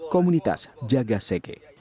komunitas jaga seke